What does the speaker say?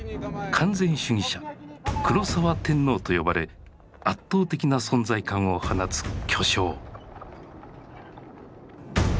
完全主義者「黒澤天皇」と呼ばれ圧倒的な存在感を放つ巨匠。